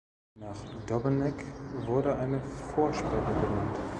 Nach Dobeneck wurde eine Vorsperre benannt.